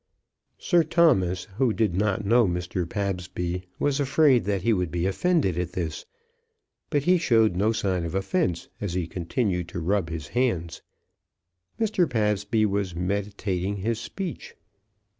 Sir Thomas, who did not know Mr. Pabsby, was afraid that he would be offended at this; but he showed no sign of offence as he continued to rub his hands. Mr. Pabsby was meditating his speech.